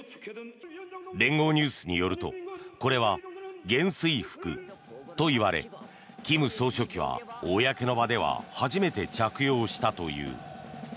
連合ニュースによるとこれは元帥服といわれ金総書記は公の場では初めて着用したという。